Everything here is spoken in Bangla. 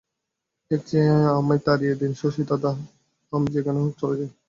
এর চেয়ে আমায় তাড়িয়ে দিন শশীদাদা, আমি যেখানে হোক চলে যাই।